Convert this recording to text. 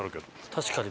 確かに。